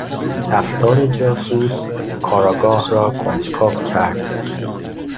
رفتار جاسوس، کارآگاه را کنجکاو کرد.